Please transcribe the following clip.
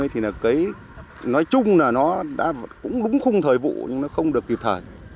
thì nói chung là nó cũng đúng khung thời vụ nhưng nó không được kịp thở